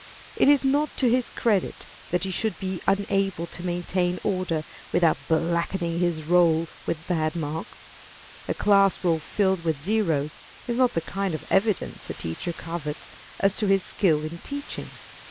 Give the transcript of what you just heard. It is not to his credit that he should be unable to maintain order without blackening his roll with bad marks. A class roll filled with 0's is not the kind of evidence a teacher covets as to his skill in teaching.